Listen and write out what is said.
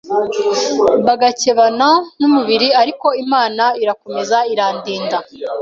bagakebana n’umubiri ariko Imana irakomeza irandinda